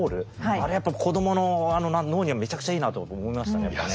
あれはやっぱ子供の脳にはめちゃくちゃいいなと思いましたねやっぱね。